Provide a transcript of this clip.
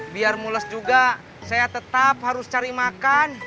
biar mules juga saya tetap harus cari makan